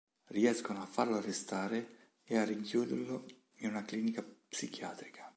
Riescono a farlo arrestare e a rinchiuderlo in una clinica psichiatrica.